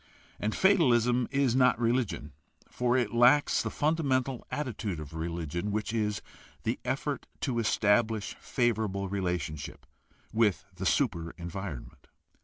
And fatalism is not religion, for it lacks the fundamental attitude of religion, which is the effort to establish favorable relations with the super environment.